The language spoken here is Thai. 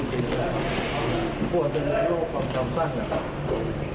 กลัวในหลายโลกความจำกัดนะครับ